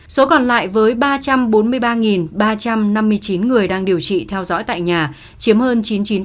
số còn lại với ba trăm bốn mươi ba ba trăm năm mươi chín người đang điều trị theo dõi tại nhà chiếm hơn chín mươi chín